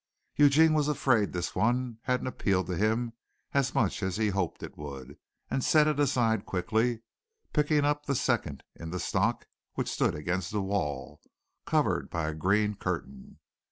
Eugene was afraid this one hadn't appealed to him as much as he hoped it would, and set it aside quickly, picking up the second in the stock which stood against the wall, covered by a green curtain.